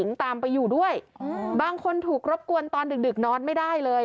ตามไปอยู่ด้วยบางคนถูกรบกวนตอนดึกนอนไม่ได้เลย